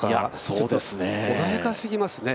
ちょっと穏やかすぎますね。